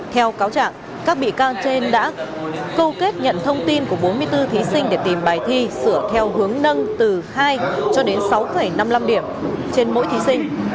theo cáo trạng các bị can trên đã câu kết nhận thông tin của bốn mươi bốn thí sinh để tìm bài thi sửa theo hướng nâng từ hai cho đến sáu năm mươi năm điểm trên mỗi thí sinh